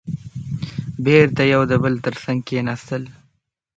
بېرته يو د بل تر څنګ کېناستل.